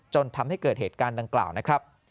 จนทำให้เกิดเหตุการณ์ดังกล่าวนะครับ